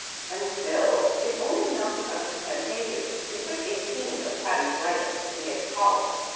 And still it only mounted up to ten pages, and it took eighteen of Patty's writing to make a column.